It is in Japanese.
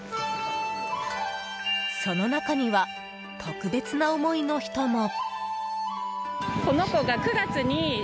その中には、特別な思いの人も。